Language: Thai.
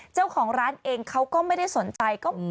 เจ้าของร้านเองเขาก็ไม่ได้สนใจ